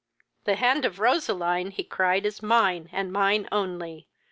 "The hand of Roseline (he cried) is mine, and mine only!